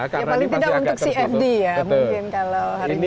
ya paling tidak untuk cfd ya mungkin kalau hari ini